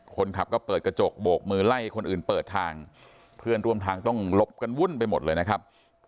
คนขับก็เปิดกระจกโบกมือไล่คนอื่นเปิดทางเพื่อนร่วมทางต้องหลบกันวุ่นไปหมดเลยนะครับ